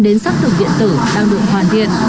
đến sắp thực điện tử đang được hoàn thiện